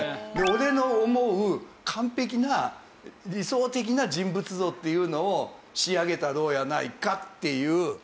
俺の思う完璧な理想的な人物像っていうのを仕上げたろうやないかっていう。